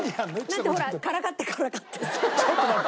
だってほらからかってからかってさ。